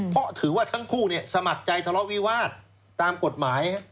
ก็ถือว่าทั้งคู่เนี้ยสมัครใจทะเลาะวิวาดตามกรดหมาย